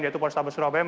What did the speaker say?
yaitu polis saber surabaya